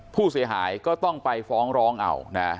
ผู้เสียหายก็ต้องไปฟ้องร้องเอานะ